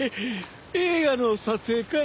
映画の撮影かい？